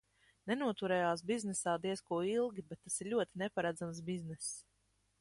Nenoturējās biznesā diez ko ilgi, bet tas ir ļoti neparedzams bizness.